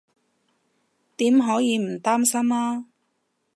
點可以唔擔心啊